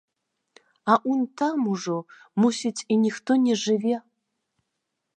А унь там ужо, мусіць, і ніхто не жыве.